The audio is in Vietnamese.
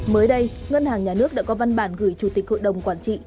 mới đây ngân hàng nhà nước đã có văn bản gửi chủ tịch hội đồng quản trị